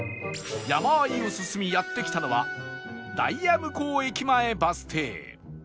山あいを進みやって来たのは大谷向駅前バス停